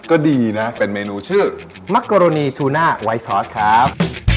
ก็ดีนะเป็นเมนูชื่อมักโกโรนีทูน่าไวซอสครับ